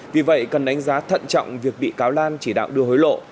vì vậy cần đánh giá thận trọng việc bị cáo lan chỉ đạo đưa hối lộ